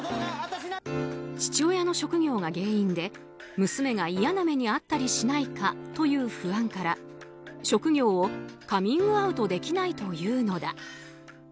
父親の職業が原因で娘が嫌な目に遭ったりしないかという不安から職業をカミングアウトできないというのだ。